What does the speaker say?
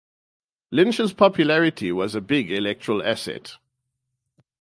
Lynch's popularity was a big electoral asset.